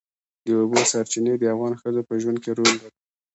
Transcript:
د اوبو سرچینې د افغان ښځو په ژوند کې رول لري.